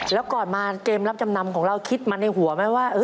แล้วก่อนมาเกมรับจำนำของเราคิดมาในหัวไหมว่า